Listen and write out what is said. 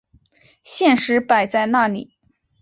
现实摆在哪里！